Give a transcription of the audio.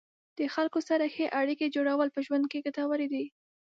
د خلکو سره ښې اړیکې جوړول په ژوند کې ګټورې دي.